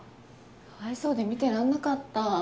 かわいそうで見てらんなかった。